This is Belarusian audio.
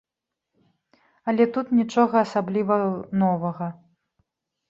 Але тут нічога асабліва новага.